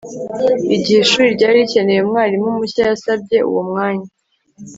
igihe ishuri ryari rikeneye umwarimu mushya, yasabye uwo mwanya